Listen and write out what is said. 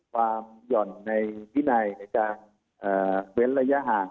หย่อนในวินัยในการเว้นระยะห่าง